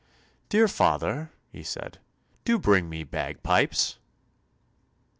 "Dear father," he said, "do bring me bagpipes."